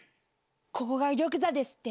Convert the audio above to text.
ここが玉座ですって？